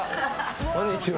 こんにちは。